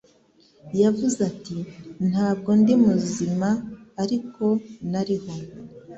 Yavuze ati Ntabwo ndi muzima ariko nariho